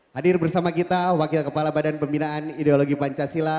hadir bersama kita wakil kepala badan pembinaan ideologi pancasila